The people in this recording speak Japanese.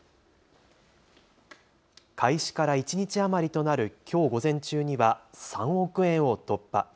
開始から一日余りとなるきょう午前中には３億円を突破。